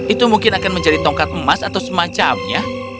itu mungkin akan menjadi tongkat emas atau semacamnya